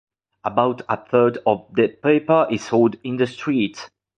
About a third of the paper is sold in the streets.